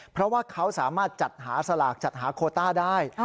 เพราะว่าเขาสามารถจัดหาสลากจัดหาโคต้าได้